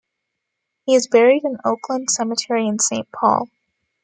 He is buried in Oakland Cemetery in Saint Paul.